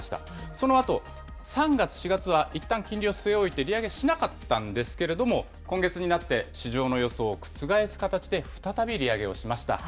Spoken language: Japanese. そのあと３月、４月は、いったん金利を据え置いて利上げをしなかったんですけれども、今月になって市場の予想を覆す形で再び利上げをしました。